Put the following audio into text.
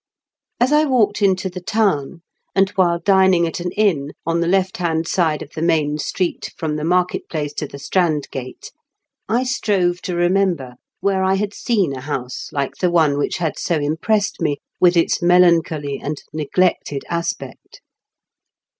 As I walked into the town, aod while dnaing at an« inoi oa the lefb hand side of the mam street horns the market place to^ the Strand Grate, I strove to remember where I had seen a howe l&e the one which had sa im pressed me with ids meland>oly aoad negleeted aspect.